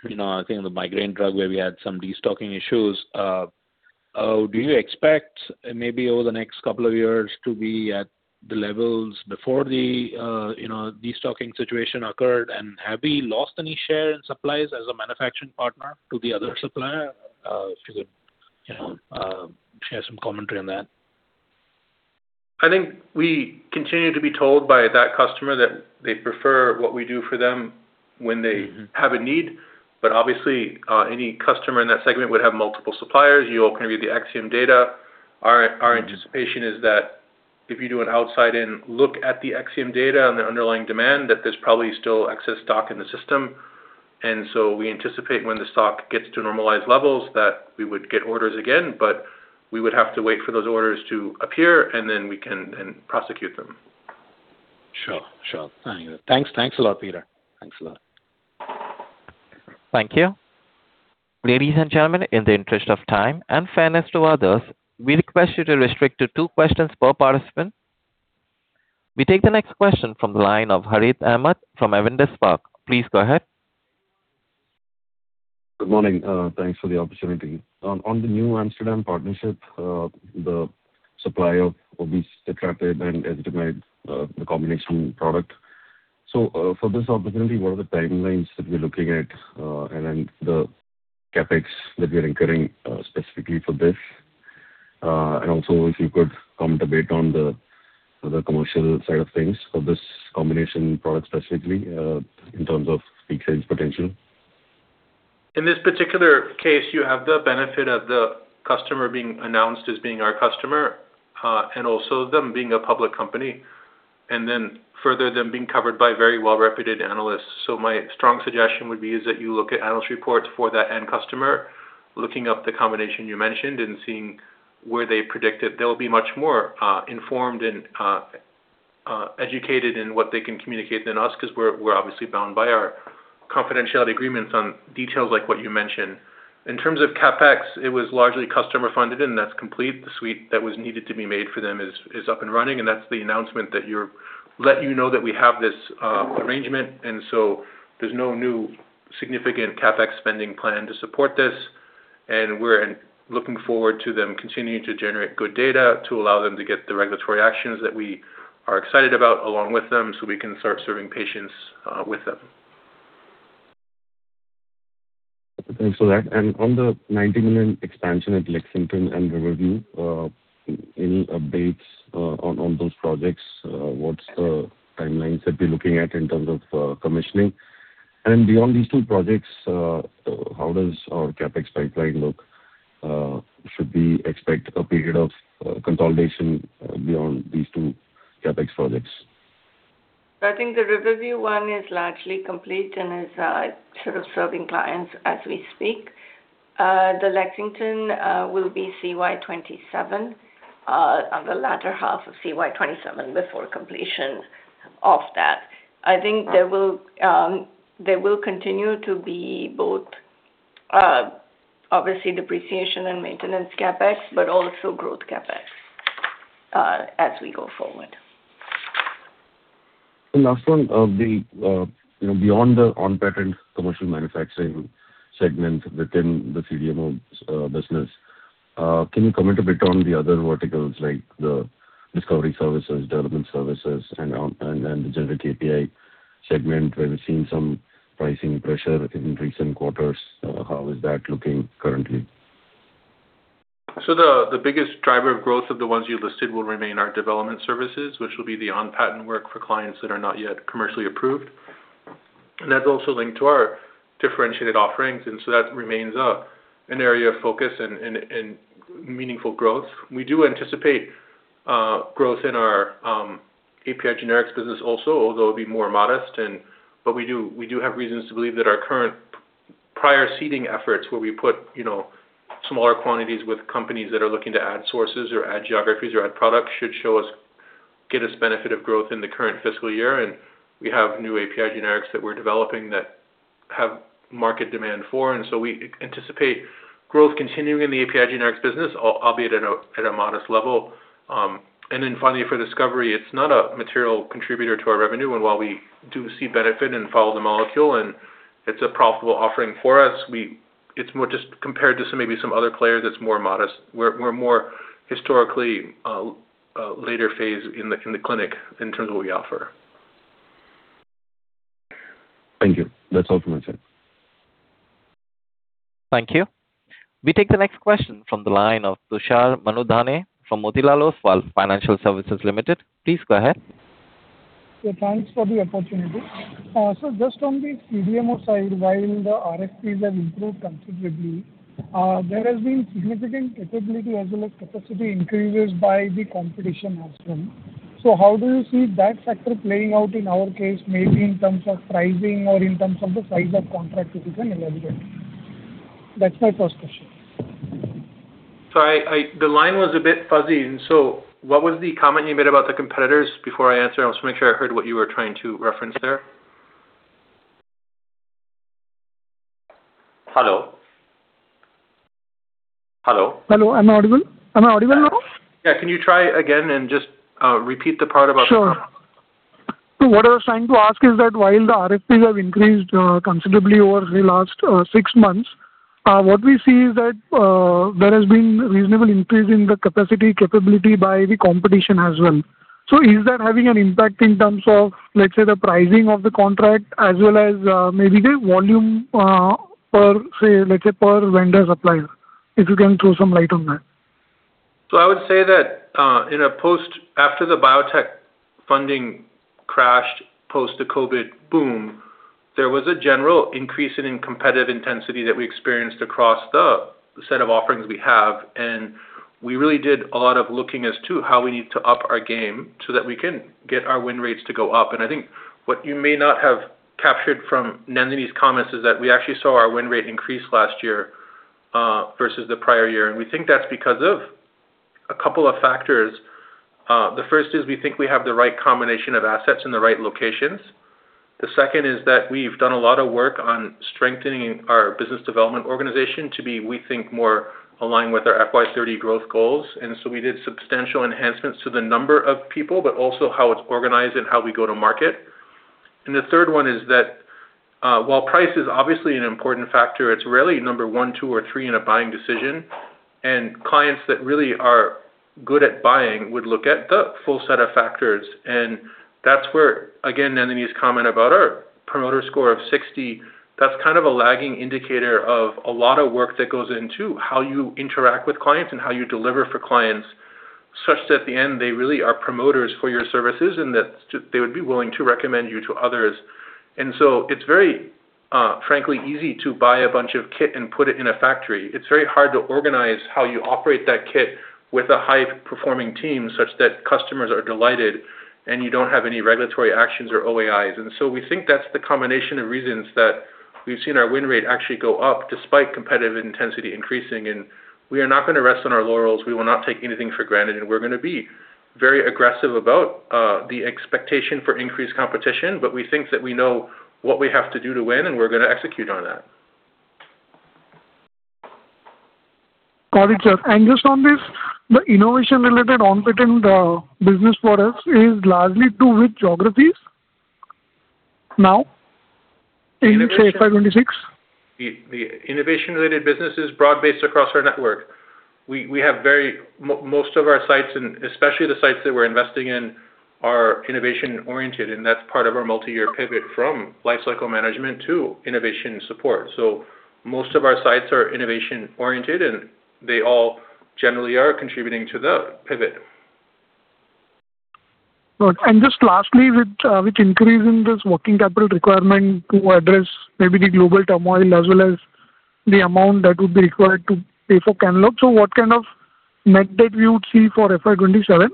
you know, I think the migraine drug where we had some destocking issues. Do you expect maybe over the next couple of years to be at the levels before the, you know, destocking situation occurred? Have we lost any share in supplies as a manufacturing partner to the other supplier? If you could, you know, share some commentary on that. I think we continue to be told by that customer that they prefer what we do for them. Mm-hmm. When they have a need. Obviously, any customer in that segment would have multiple suppliers. You all can read the IQVIA data. Our anticipation is that if you do an outside-in look at the IQVIA data and the underlying demand, that there's probably still excess stock in the system. We anticipate when the stock gets to normalized levels, that we would get orders again. We would have to wait for those orders to appear, and then we can then prosecute them. Sure. Sure. Thank you. Thanks. Thanks a lot, Peter. Thanks a lot. Thank you. Ladies and gentlemen, in the interest of time and fairness to others, we request you to restrict to two questions per participant. We take the next question from the line of Harith Ahamed from Avendus Spark. Please go ahead. Good morning. Thanks for the opportunity. On the NewAmsterdam Pharma partnership, the supplier will be contracted and estimate the combination product. For this opportunity, what are the timelines that we're looking at, and then the CapEx that we are incurring, specifically for this? And also if you could comment a bit on the commercial side of things for this combination product specifically, in terms of peak sales potential? In this particular case, you have the benefit of the customer being announced as being our customer, and also them being a public company, and then further them being covered by very well-reputed analysts. My strong suggestion would be is that you look at analyst reports for that end customer, looking up the combination you mentioned and seeing where they predict it. They'll be much more informed and educated in what they can communicate than us, 'cause we're obviously bound by our confidentiality agreements on details like what you mentioned. In terms of CapEx, it was largely customer funded, and that's complete. The suite that was needed to be made for them is up and running, and that's the announcement that you're letting you know that we have this arrangement. There's no new significant CapEx spending plan to support this. We're looking forward to them continuing to generate good data to allow them to get the regulatory actions that we are excited about along with them, so we can start serving patients with them. Thanks for that. On the 90 million expansion at Lexington and Riverview, any updates on those projects? What's the timelines that we're looking at in terms of commissioning? Beyond these two projects, how does our CapEx pipeline look? Should we expect a period of consolidation beyond these two CapEx projects? I think the Riverview one is largely complete and is sort of serving clients as we speak. The Lexington will be CY 2027 on the latter half of CY 2027 before completion of that. I think there will continue to be both obviously depreciation and maintenance CapEx, but also growth CapEx as we go forward. Last one. The, you know, beyond the on-patent commercial manufacturing segment within the CDMO business, can you comment a bit on the other verticals like the discovery services, development services and the generic API segment where we've seen some pricing pressure in recent quarters? How is that looking currently? The biggest driver of growth of the ones you listed will remain our development services, which will be the on-patent work for clients that are not yet commercially approved. That's also linked to our differentiated offerings, and that remains an area of focus and meaningful growth. We do anticipate growth in our API generics business also, although it'll be more modest. We do have reasons to believe that our current prior seeding efforts where we put, you know, smaller quantities with companies that are looking to add sources or add geographies or add products should show us, get us benefit of growth in the current fiscal year. We have new API generics that we're developing that have market demand for, and so we anticipate growth continuing in the API generics business, albeit at a modest level. Then finally for discovery, it's not a material contributor to our revenue and while we do see benefit and follow the molecule and it's a profitable offering for us, it's more just compared to some, maybe some other players, it's more modest. We're more historically later phase in the clinic in terms of what we offer. Thank you. That's all from my side. Thank you. We take the next question from the line of Tushar Manudhane from Motilal Oswal Financial Services Limited. Please go ahead. Yeah, thanks for the opportunity. Just on the CDMO side, while the RFPs have improved considerably, there has been significant capability as well as capacity increases by the competition as well. How do you see that factor playing out in our case, maybe in terms of pricing or in terms of the size of contract which has been awarded? That's my first question. Sorry, the line was a bit fuzzy, what was the comment you made about the competitors before I answer? I just wanna make sure I heard what you were trying to reference there. Hello? Hello? Hello. Am I audible? Am I audible now? Yeah. Can you try again and just repeat the part about. Sure. What I was trying to ask is that while the RFPs have increased considerably over the last six months, what we see is that there has been reasonable increase in the capacity capability by the competition as well. Is that having an impact in terms of, let's say, the pricing of the contract as well as maybe the volume per se, let's say per vendor supplier? If you can throw some light on that. I would say that, after the biotech funding crashed, post the COVID boom, there was a general increase in competitive intensity that we experienced across the set of offerings we have. We really did a lot of looking as to how we need to up our game so that we can get our win rates to go up. I think what you may not have captured from Nandini's comments is that we actually saw our win rate increase last year, versus the prior year. We think that's because of a couple of factors. The first is we think we have the right combination of assets in the right locations. The second is that we've done a lot of work on strengthening our business development organization to be, we think, more aligned with our FY 2030 growth goals. We did substantial enhancements to the number of people, but also how it's organized and how we go to market. The third one is that, while price is obviously an important factor, it's rarely number one, two or three in a buying decision. Clients that really are good at buying would look at the full set of factors. That's where, again, Nandini's comment about our promoter score of 60, that's kind of a lagging indicator of a lot of work that goes into how you interact with clients and how you deliver for clients, such that at the end, they really are promoters for your services and that they would be willing to recommend you to others. It's very, frankly, easy to buy a bunch of kit and put it in a factory. It's very hard to organize how you operate that kit with a high-performing team such that customers are delighted and you don't have any regulatory actions or OAIs. We think that's the combination of reasons that we've seen our win rate actually go up despite competitive intensity increasing. We are not gonna rest on our laurels. We will not take anything for granted, and we're gonna be very aggressive about the expectation for increased competition. We think that we know what we have to do to win, and we're gonna execute on that. Got it, sir. Just on this, the innovation related on-patent business for us is largely to which geographies now in, say, FY 2026? The innovation related business is broad-based across our network. Most of our sites, and especially the sites that we're investing in, are innovation-oriented, and that's part of our multi-year pivot from lifecycle management to innovation support. Most of our sites are innovation-oriented, and they all generally are contributing to the pivot. Good. Just lastly, with increase in this working capital requirement to address maybe the global turmoil as well as the amount that would be required to pay for Kenalog, what kind of net debt we would see for FY 2027?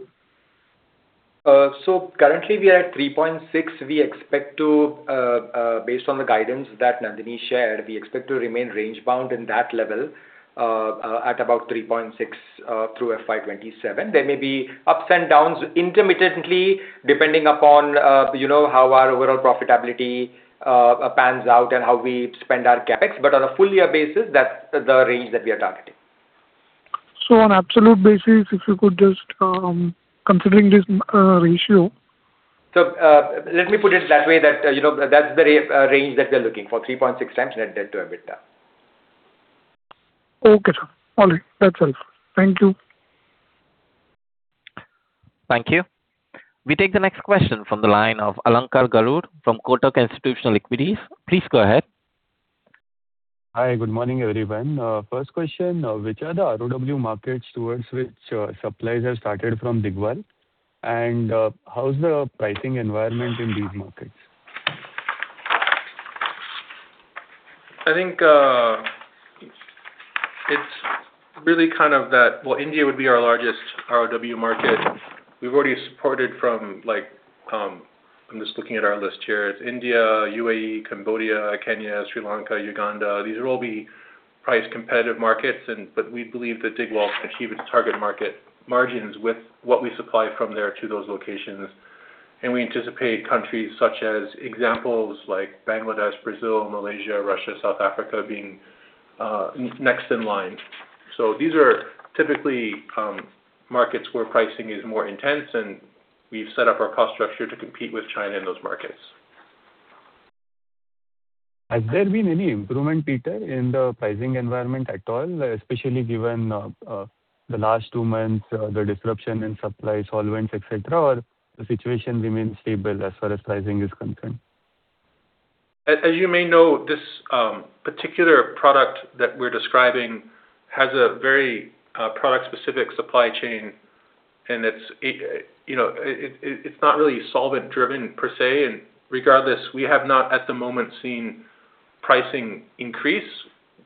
So, currently we are at 3.6. We expect to, based on the guidance that Nandini Piramal shared, we expect to remain range bound in that level, at about 3.6, through FY 2027. There may be ups and downs intermittently, depending upon, you know, how our overall profitability pans out and how we spend our CapEx. But on a full year basis, that's the range that we are targeting. On absolute basis, if you could just, considering this, ratio. Let me put it that way, that's the range that we're looking for, 3.6 times net debt to EBITDA. Okay, sir. All right. That's all. Thank you. Thank you. We take the next question from the line of Alankar Garude from Kotak Institutional Equities. Please go ahead. Hi. Good morning, everyone. First question, which are the ROW markets towards which, supplies have started from Digwal? How's the pricing environment in these markets? I think, well, India would be our largest ROW market. We've already supported from like, I'm just looking at our list here, it's India, U.A.E., Cambodia, Kenya, Sri Lanka, Uganda. These will all be price competitive markets but we believe that Digwal can achieve its target market margins with what we supply from there to those locations. We anticipate countries such as examples like Bangladesh, Brazil, Malaysia, Russia, South Africa being next in line. These are typically markets where pricing is more intense, and we've set up our cost structure to compete with China in those markets. Has there been any improvement, Peter, in the pricing environment at all, especially given the last two months, the disruption in supply, solvents, et cetera? Or the situation remains stable as far as pricing is concerned? As you may know, this particular product that we're describing has a very product specific supply chain, and it's, you know, it's not really solvent driven per se. Regardless, we have not at the moment seen pricing increase.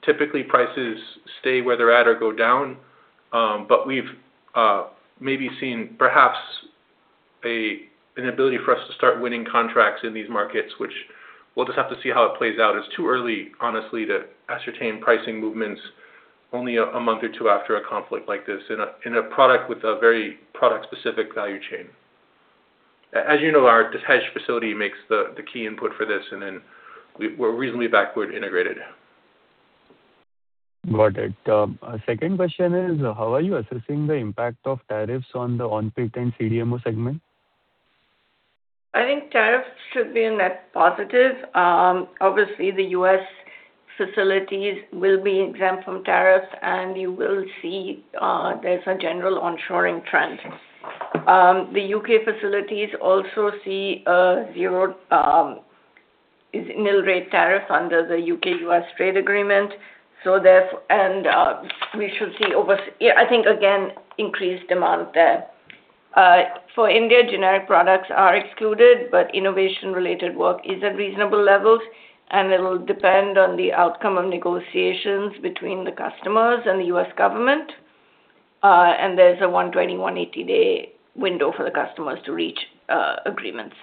Typically, prices stay where they're at or go down. We've maybe seen perhaps, an ability for us to start winning contracts in these markets, which we'll just have to see how it plays out. It's too early, honestly, to ascertain pricing movements only a month or two after a conflict like this in a product with a very product-specific value chain. As you know, our Digwal facility makes the key input for this, and then we're reasonably backward integrated. Got it. Second question is, how are you assessing the impact of tariffs on the on-patent CDMO segment? I think tariffs should be a net positive. Obviously the U.S. facilities will be exempt from tariffs, and you will see there's a general onshoring trend. The U.K. facilities also see a zero, is nil rate tariff under the U.K.-U.S. trade agreement. We should see over. Yeah, I think again, increased demand there. For India, generic products are excluded, but innovation related work is at reasonable levels, and it'll depend on the outcome of negotiations between the customers and the U.S. government. There's a 120 day, 180-day window for the customers to reach agreements.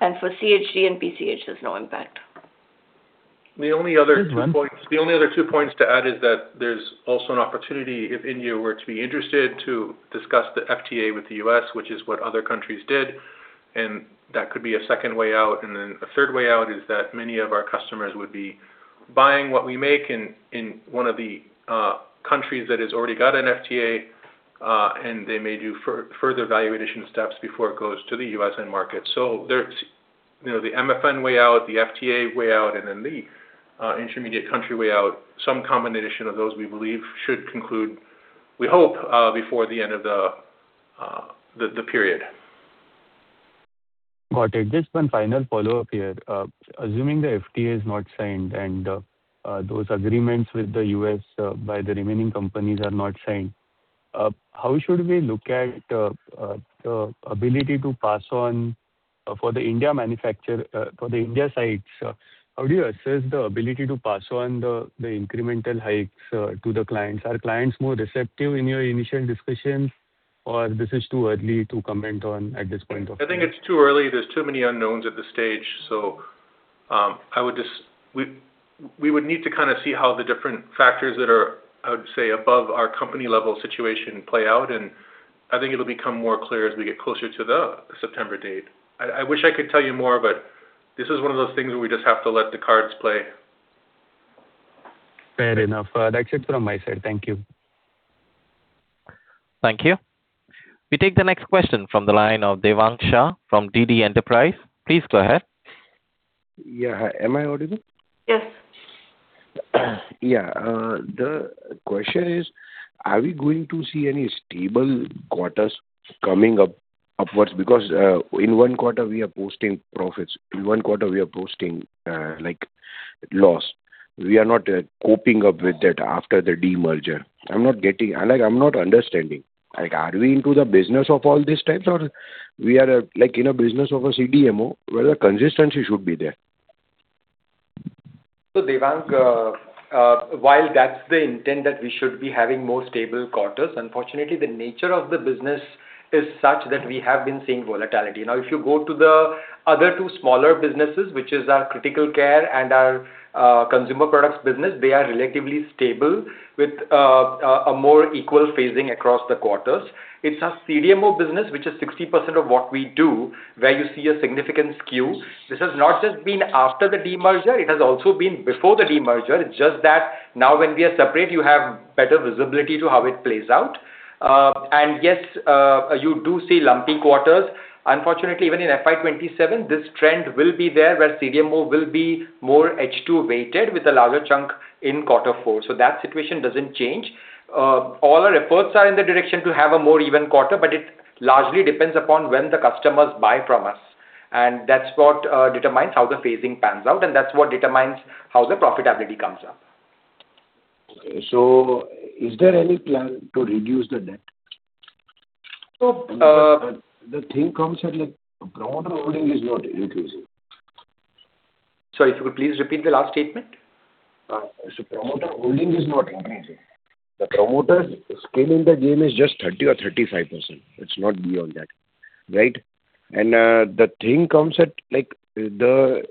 For CHG and PCH, there's no impact. The only other two points. Mm-hmm. The only other two points to add is that there's also an opportunity if India were to be interested to discuss the FTA with the U.S., which is what other countries did, and that could be a second way out. A third way out is that many of our customers would be buying what we make in one of the countries that has already got an FTA, and they may do further value addition steps before it goes to the U.S. end market. There's, you know, the MFN way out, the FTA way out, and then the intermediate country way out. Some combination of those we believe should conclude, we hope, before the end of the period. Got it. Just one final follow-up here. Assuming the FTA is not signed and those agreements with the U.S. by the remaining companies are not signed, how should we look at the ability to pass on for the India sites? How do you assess the ability to pass on the incremental hikes to the clients? Are clients more receptive in your initial discussions, or this is too early to comment on at this point of time? I think it's too early. There's too many unknowns at this stage. We would need to kind of see how the different factors that are, I would say, above our company level situation play out, and I think it'll become more clear as we get closer to the September date. I wish I could tell you more, but this is one of those things where we just have to let the cards play. Fair enough. That's it from my side. Thank you. Thank you. We take the next question from the line of Devang Shah from D.D. Enterprise. Please go ahead. Yeah. Hi, am I audible? Yes. Yeah. The question is, are we going to see any stable quarters coming up upwards? In one quarter we are posting profits, in one quarter we are posting like loss. We are not coping up with that after the demerger. Like I'm not understanding. Like, are we into the business of all these types or we are, like, in a business of a CDMO where the consistency should be there? Devang, while that's the intent that we should be having more stable quarters, unfortunately the nature of the business is such that we have been seeing volatility. If you go to the other two smaller businesses, which is our Critical Care and our Consumer Products business, they are relatively stable with a more equal phasing across the quarters. It's our CDMO business, which is 60% of what we do, where you see a significant skew. This has not just been after the demerger, it has also been before the demerger. Just that now when we are separate, you have better visibility to how it plays out. Yes, you do see lumpy quarters. Unfortunately, even in FY 2027, this trend will be there, where CDMO will be more H2 weighted with a larger chunk in quarter four. That situation doesn't change. All our efforts are in the direction to have a more even quarter, but it largely depends upon when the customers buy from us. That's what determines how the phasing pans out, and that's what determines how the profitability comes up. Is there any plan to reduce the debt? So, uh- The thing comes at, like, promoter holding is not increasing. Sorry, if you could please repeat the last statement. Promoter holding is not increasing. The promoter skin in the game is just 30% or 35%. It's not beyond that, right? The thing comes at, like, the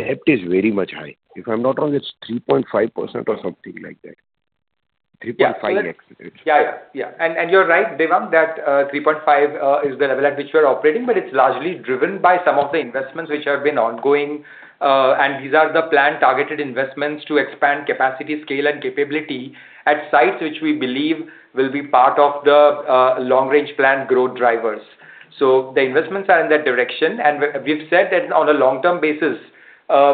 debt is very much high. If I'm not wrong, it's 3.5% or something like that. 3.5x. Yeah. Yeah. Yeah. You're right, Devang, that 3.5x is the level at which we're operating, but it's largely driven by some of the investments which have been ongoing. These are the planned targeted investments to expand capacity, scale, and capability at sites which we believe will be part of the long range plan growth drivers. The investments are in that direction. We've said that on a long-term basis,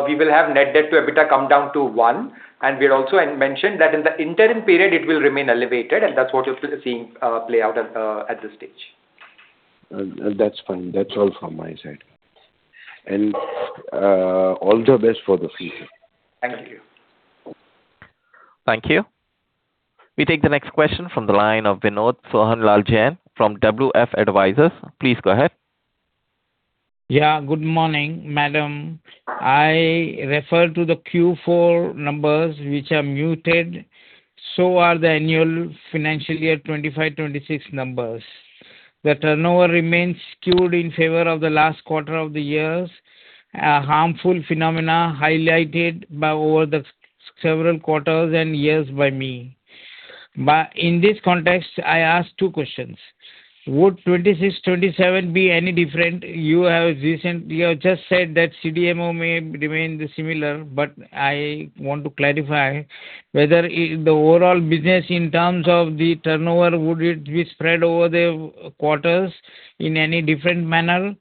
we will have net debt to EBITDA come down to one. I mentioned that in the interim period it will remain elevated, and that's what you're seeing play out at this stage. That's fine. That's all from my side. All the best for the future. Thank you. Thank you. We take the next question from the line of Vinod Sohanlal Jain from WF Advisors. Please go ahead. Yeah, good morning, madam. I refer to the Q4 numbers which are muted, so are the annual financial year 2025, 2026 numbers. The turnover remains skewed in favor of the last quarter of the years, a harmful phenomena highlighted by over the several quarters and years by me. In this context, I ask two questions. Would 2026, 2027 be any different? You have just said that CDMO may remain the similar, I want to clarify whether the overall business in terms of the turnover, would it be spread over the quarters in any different manner.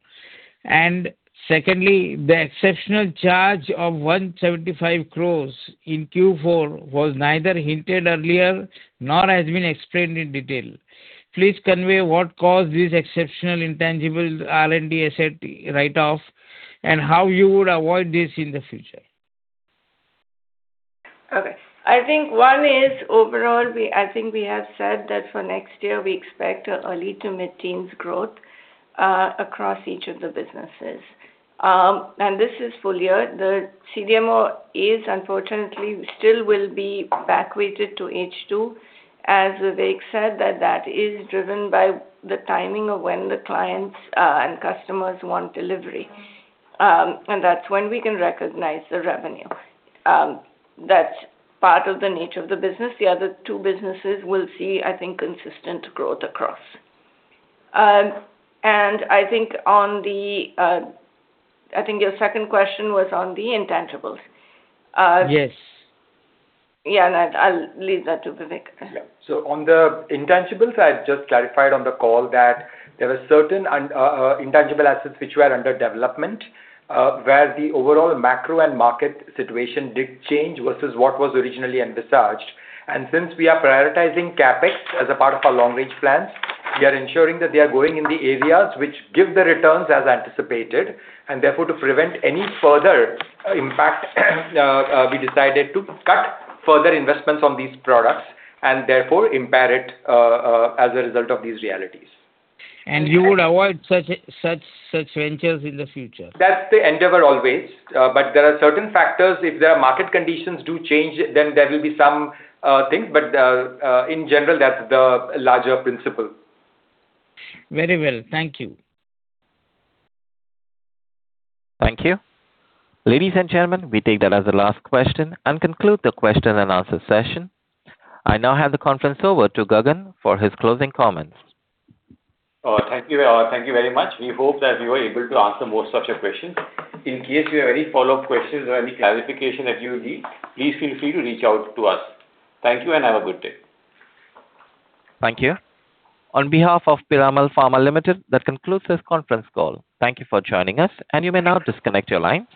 Secondly, the exceptional charge of 175 crores in Q4 was neither hinted earlier nor has been explained in detail. Please convey what caused this exceptional intangible R&D asset write-off and how you would avoid this in the future. Okay. I think one is overall, I think we have said that for next year, we expect early to mid-teens growth across each of the businesses. This is full year. The CDMO is unfortunately still will be back weighted to H2. As Vivek said that that is driven by the timing of when the clients and customers want delivery. That's when we can recognize the revenue. That's part of the nature of the business. The other two businesses will see, I think, consistent growth across. I think on the, I think your second question was on the intangibles. Yes. Yeah, I'll leave that to Vivek. On the intangibles, I just clarified on the call that there were certain intangible assets which were under development, where the overall macro and market situation did change versus what was originally envisaged. Since we are prioritizing CapEx as a part of our long-range plans, we are ensuring that they are going in the areas which give the returns as anticipated, and therefore, to prevent any further impact, we decided to cut further investments on these products and therefore impair it as a result of these realities. You would avoid such ventures in the future? That's the endeavor always. There are certain factors. If their market conditions do change, then there will be some things. In general, that's the larger principle. Very well. Thank you. Thank you. Ladies and gentlemen, we take that as the last question and conclude the question and answer session. I now hand the conference over to Gagan for his closing comments. Thank you. Thank you very much. We hope that we were able to answer most of your questions. In case you have any follow-up questions or any clarification that you need, please feel free to reach out to us. Thank you and have a good day. Thank you. On behalf of Piramal Pharma Limited, that concludes this conference call. Thank you for joining us, and you may now disconnect your line.